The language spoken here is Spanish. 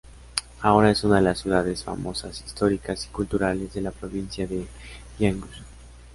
Ahora es una de las ciudades famosas, históricas y culturales de la provincia de Jiangsu.